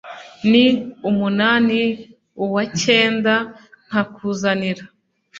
ni umunani uwa cyenda nkakuzanira